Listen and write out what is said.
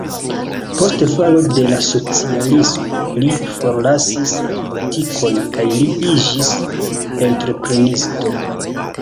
Post falo de la socialismo li forlasis la politikon kaj li iĝis entreprenisto.